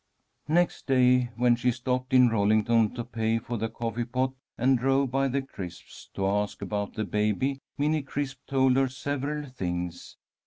Next day when she stopped in Rollington to pay for the coffee pot, and drove by the Crisps' to ask about the baby, Minnie Crisp told her several things.